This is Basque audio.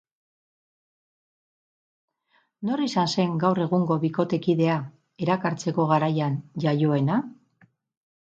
Nor izan zen gaur egungo bikotekidea erakartzeko garaian iaioena?